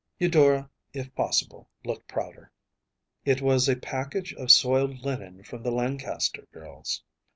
‚ÄĚ Eudora, if possible, looked prouder. “It was a package of soiled linen from the Lancaster girls.